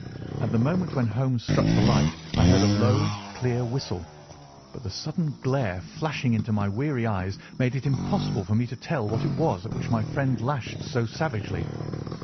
At the moment when Holmes struck the light I heard a low, clear whistle, but the sudden glare flashing into my weary eyes made it impossible for me to tell what it was at which my friend lashed so savagely.